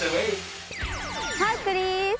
ハイクリス！